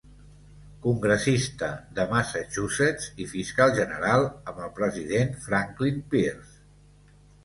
Congressista de Massachusetts i Fiscal General amb el President Franklin Pierce.